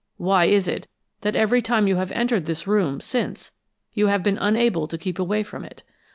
Why is it that every time you have entered this room since, you have been unable to keep away from it?